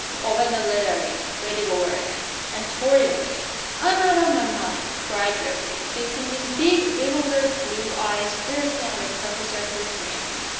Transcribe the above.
He opened the letter again, read it over again, and tore it up again. "I'm out of my mind!" cried Geoffrey, fixing his big bewildered blue eyes fiercely on the professor who trained him.